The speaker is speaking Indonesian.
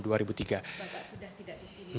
bapak sudah tidak di sini